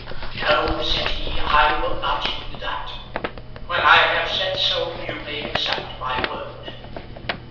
"No," said he, "I will not do that. When I have said so you may accept my word."